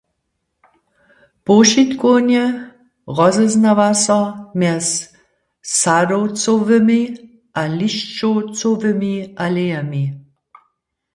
Powšitkownje rozeznawa so mjez sadowcowymi a lisćowcowymi alejemi.